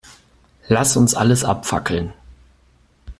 Lass uns alles abfackeln.